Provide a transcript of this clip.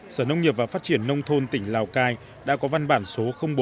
sở nông nghiệp và phát triển nông thôn tỉnh lào cai đã có văn bản số bốn